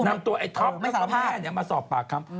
นำตัวไอ้ท็อปแล้วแม่เนี่ยมาสอบปากครับ